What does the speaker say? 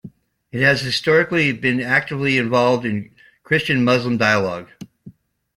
It has historically been actively involved in Christian Muslim dialogue.